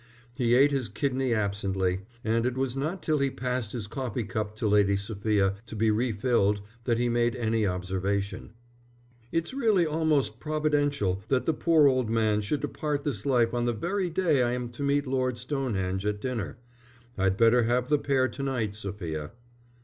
He ate his kidney absently, and it was not till he passed his coffee cup to Lady Sophia to be refilled that he made any observation. "It's really almost providential that the poor old man should depart this life on the very day I am to meet Lord Stonehenge at dinner. I'd better have the pair to night, Sophia."